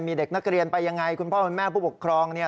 มีเด็กนักเรียนไปยังไงคุณพ่อคุณแม่ผู้ปกครองเนี่ย